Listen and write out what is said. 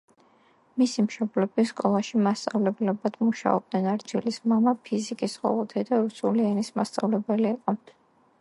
მისი მშობლები სკოლაში მასწავლებლებად მუშაობდნენ, არჩილის მამა ფიზიკის, ხოლო დედა რუსული ენის მასწავლებელი იყო.